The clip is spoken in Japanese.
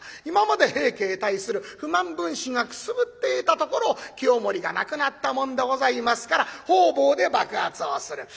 今まで平家へ対する不満分子がくすぶっていたところを清盛が亡くなったもんでございますから方々で爆発をする。